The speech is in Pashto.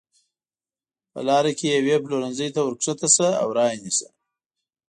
په لاره کې یوې پلورنځۍ ته ورکښته شه او را یې نیسه.